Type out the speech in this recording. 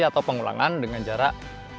atau pengulangan dengan jarak